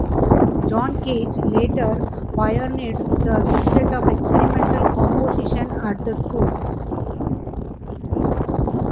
John Cage later pioneered the subject of Experimental Composition at the school.